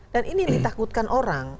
dan ini ditakutkan orang